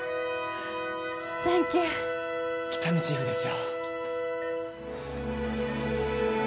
電気喜多見チーフですよ